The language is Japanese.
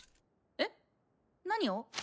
えっ何を？